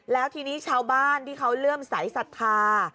แล้วทีนี้ชาวบ้านที่เขาเริ่มสายศรัทธา